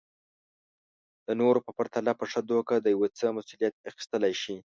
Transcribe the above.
د نورو په پرتله په ښه توګه د يو څه مسوليت اخيستلی شي.